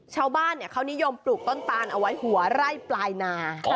ชาวบ้านเขานิยมปลูกต้นตานเอาไว้หัวไร่ปลายนา